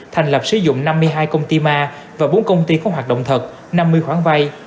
thành lập sử dụng năm mươi hai công ty ma và bốn công ty không hoạt động thật năm mươi khoản vay